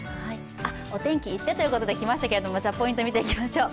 お天気いってということできましたけれども、ポイント見ていきましょう。